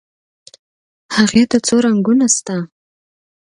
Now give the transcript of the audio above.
هغې ته څو رنګونه شته.